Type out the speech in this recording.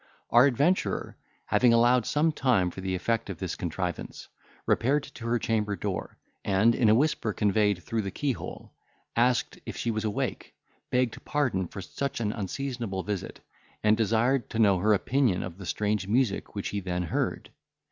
Our adventurer, having allowed some time for the effect of this contrivance, repaired to her chamber door, and, in a whisper, conveyed through the keyhole, asked if she was awake, begged pardon for such an unseasonable visit, and desired to know her opinion of the strange music which he then heard.